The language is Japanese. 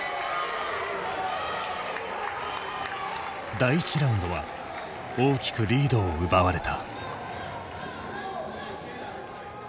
第１ラウンドは大きくリードを奪われた。